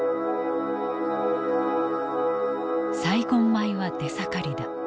「サイゴン米は出盛りだ。